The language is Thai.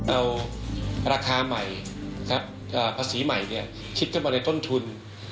เอาราคาใหม่ภาษีใหม่คิดขึ้นมาในต้นทุน